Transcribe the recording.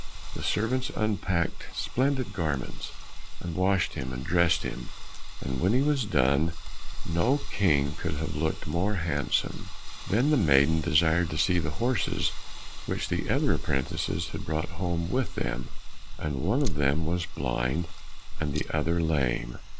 The servants unpacked splendid garments, and washed him and dressed him, and when that was done, no King could have looked more handsome. Then the maiden desired to see the horses which the other apprentices had brought home with them, and one of them was blind and the other lame.